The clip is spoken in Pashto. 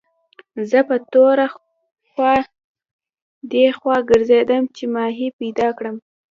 زه په تور اخوا دېخوا ګرځېدم چې ماهي پیدا کړم.